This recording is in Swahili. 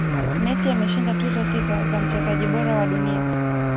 messi ameshinda tuzo sita za mchezaji bora wa dunia